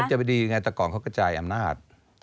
มันจะดีแต่ก่อนเขากระจายอำนาจ